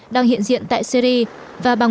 đang hiện diện tại syri và bằng